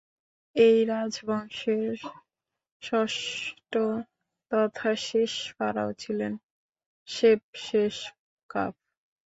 এই রাজবংশের ষষ্ঠ তথা শেষ ফারাও ছিলেন শেপসেসকাফ।